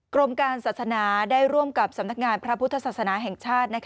กรมการศาสนาได้ร่วมกับสำนักงานพระพุทธศาสนาแห่งชาติ